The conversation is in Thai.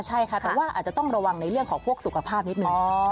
ใช่ค่ะแต่ว่าอาจจะต้องระวังในเรื่องของพวกสุขภาพนิดนึง